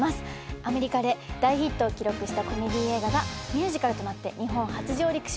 アメリカで大ヒットを記録したコメディー映画がミュージカルとなって日本初上陸します。